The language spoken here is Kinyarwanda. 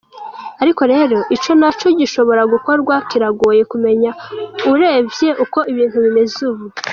Ariko rero ico naco gishobora gukorwa kiragoye kumenya uravye uko ibintu bimeze ubu.